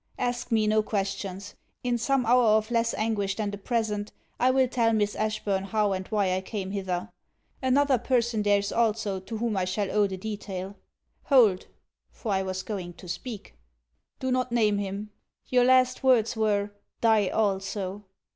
Ask me no questions. In some hour of less anguish than the present, I will tell Miss Ashburn how and why I came hither. Another person there is also to whom I shall owe the detail. Hold' for I was going to speak. 'Do not name him. Your last words were, _Die also!